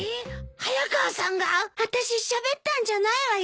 早川さんが！？あたししゃべったんじゃないわよ。